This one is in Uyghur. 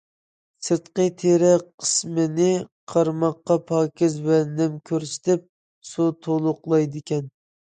سىرتقى تېرە قىسمىنى قارىماققا پاكىز ۋە نەم كۆرسىتىپ، سۇ تولۇقلايدىكەن.